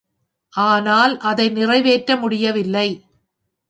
ஆனால் அதை நிறைவேற்ற முடியவில்லை.